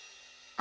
あ。